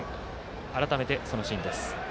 改めて、そのシーンです。